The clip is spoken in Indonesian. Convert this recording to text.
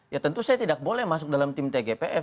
ya tentu saya tidak boleh masuk dalam tim tgpf